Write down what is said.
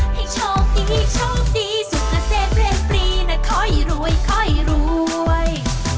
ให้ช่องดีช่องดีสุขเศษเรียนปรีนะคอยรวยคอยรวย